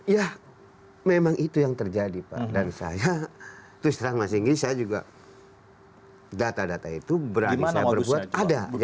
ya memang itu yang terjadi pak dan saya terus terang mas inggi saya juga data data itu berani saya berbuat ada